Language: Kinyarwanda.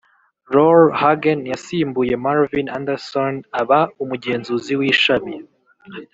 Roar hagen yasimbuye marvin anderson aba umugenzuzi w ishami